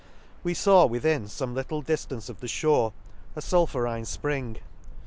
— We faw within fome little diftance of the fhore a fulphurine fpring.